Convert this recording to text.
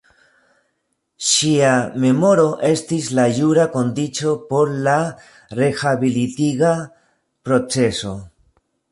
Ŝia memoro estis la jura kondiĉo por la rehabilitiga proceso.